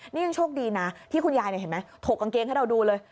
นี่ยังโชคดีนะที่คุณยายเห็นไหมถกกางเกงให้เราดูเลย